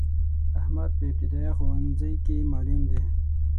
احمد په ابتدایه ښونځی کی معلم دی.